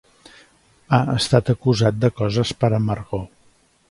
Ha estat acusat de coses per amargor.